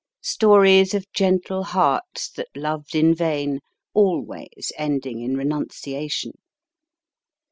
Stories of gentle hearts that loved in vain, always ending in renunciation.